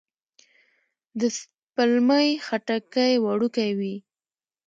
د سپلمۍ خټکی وړوکی وي